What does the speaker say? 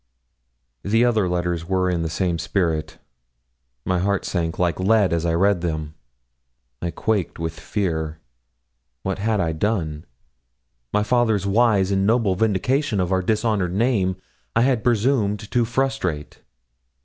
The other letters were in the same spirit. My heart sank like lead as I read them. I quaked with fear. What had I done? My father's wise and noble vindication of our dishonoured name I had presumed to frustrate.